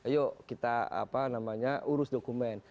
yuk kita urus dokumen